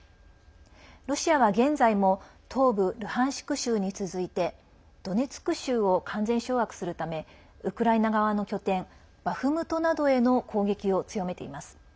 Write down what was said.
ロシアは現在も東部ルハンシク州に続いてドネツク州を完全掌握するためウクライナ側の拠点バフムトなどへの攻撃を強めています。